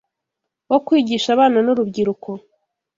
wo kwigisha abana n’urubyiruko